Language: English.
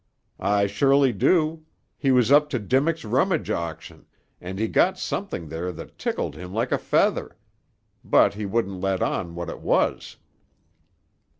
"I surely do. He was up to Dimmock's rummage auction, an' he got something there that tickled him like a feather. But he wouldn't let on what it was."